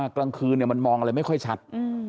กลางคืนมันมองอะไรไม่ค่อยชัด